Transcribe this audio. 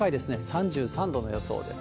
３３度の予想です。